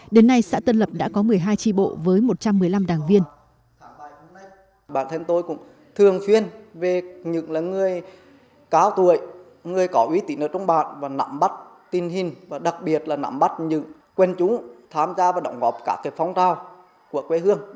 đến nay xã tân lập đã có một mươi hai tri bộ với một trăm một mươi năm đảng viên